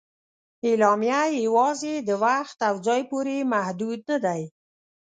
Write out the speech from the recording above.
اعلامیه یواځې د وخت او ځای پورې محدود نه ده.